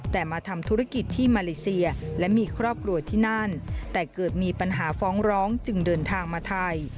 แต่มาทำธุรกิจที่มาเลเซียและมีครอบครัวที่นั่นแต่เกิดมีปัญหาฟ้องร้องจึงเดินทางมาไทย